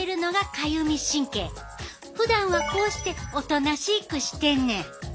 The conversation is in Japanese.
ふだんはこうしておとなしくしてんねん。